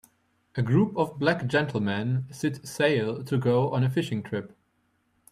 A group of black gentlemen sit sail to go on a fishing trip.